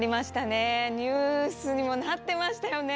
ニュースにもなってましたよね。